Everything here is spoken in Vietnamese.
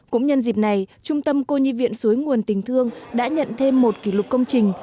cũng nhân dịp này trung tâm cô nhi viện suối nguồn tình thương đã nhận thêm một kỷ lục công trình